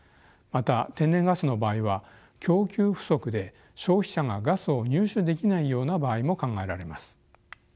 また天然ガスの場合は供給不足で消費者がガスを入手できないような場合も考えられます。